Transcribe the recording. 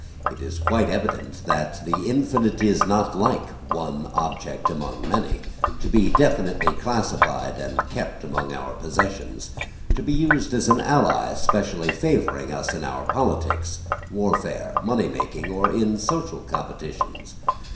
It is quite evident that the infinite is not like one object among many, to be definitely classified and kept among our possessions, to be used as an ally specially favouring us in our politics, warfare, money making, or in social competitions.